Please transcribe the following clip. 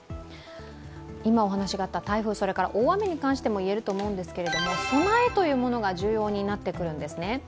今お話があった、台風、大雨に関してもいえると思うんですけど備えというものが重要になってくるんですね。